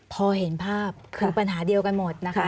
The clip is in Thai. พอเห็นภาพคือปัญหาเดียวกันหมดนะคะ